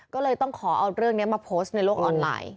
ก็เลยต้องขอเอาเรื่องนี้มาโพสต์ในโลกออนไลน์